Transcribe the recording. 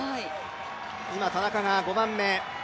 今、田中が５番目。